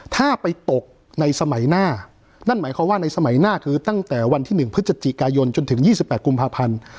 ถ้าไปตกในสมัยหน้านั่นหมายความว่าในสมัยหน้าคือตั้งแต่วันที่๑พฤศจิกายนจนถึง๒๘กุมภาพันธ์